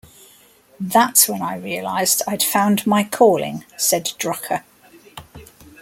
"That's when I realized I'd found my calling," said Drucker.